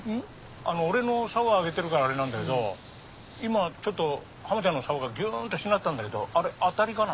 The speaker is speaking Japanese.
俺の竿は上げてるからあれなんだけど今ちょっとハマちゃんの竿がギューンとしなったんだけどあれアタリかな？